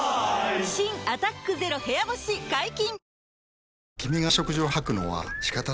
新「アタックＺＥＲＯ部屋干し」解禁‼